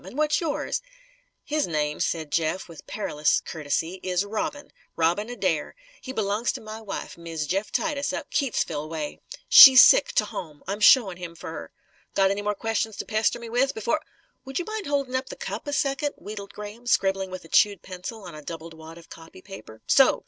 And what's yours?" "His name," said Jeff with perilous courtesy, "is Robin Robin Adair. He b'longs to my wife, Miz Jeff Titus up Keytesville way. She's sick, to home. I'm showin' him fer her. Got any more questions to pester me with, b'fore " "Would you mind holding up the cup, a second?" wheedled Graham, scribbling with a chewed pencil on a doubled wad of copy paper. "So!